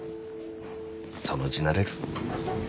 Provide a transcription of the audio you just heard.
そのうち慣れる。